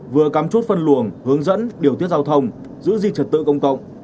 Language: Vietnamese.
vừa cắm chút phân luồng hướng dẫn điều tiết giao thông giữ gì trật tự công cộng